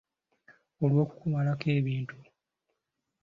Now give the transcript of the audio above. Olw’okukumalako ebintu.